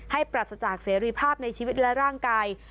ปรัสจากเสรีภาพในชีวิตและร่างกาย